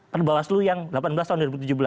perbawaslu yang delapan belas tahun dua ribu tujuh belas